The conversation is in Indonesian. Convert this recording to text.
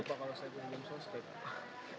takut kalau saya jaminan jam sosial